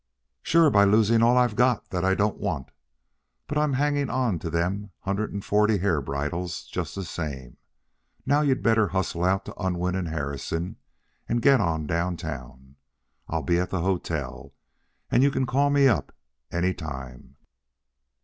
"Sure by losing all I've got that I don't want. But I'm hanging on to them hundred and forty hair bridles just the same. Now you'd better hustle out to Unwin and Harrison and get on down town. I'll be at the hotel, and you can call me up any time."